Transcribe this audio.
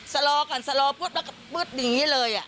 สโลกันสโลปุ๊ดแล้วก็ปุ๊ดอย่างนี้เลย